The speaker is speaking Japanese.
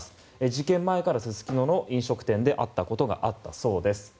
事件前から、すすきのの飲食店で会ったことがあったそうです。